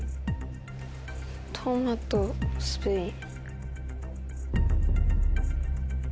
トマトスペイン。